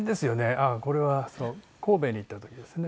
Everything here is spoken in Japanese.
あっこれは神戸に行った時ですね。